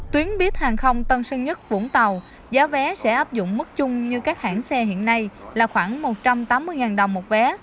tuyến buýt hàng không tân sơn nhất vũng tàu giá vé sẽ áp dụng mức chung như các hãng xe hiện nay là khoảng một trăm tám mươi đồng một vé